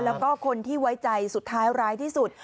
แล้วก็คนที่ไว้ใจสุดท้ายร้ายที่สุด